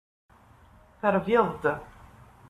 Terbiḍ-d.